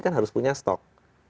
kan harus punya stok